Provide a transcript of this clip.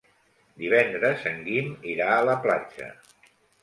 Divendres en Guim irà a la platja.